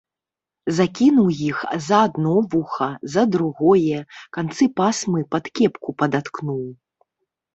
Закінуў іх за адно вуха, за другое, канцы пасмы пад кепку падаткнуў.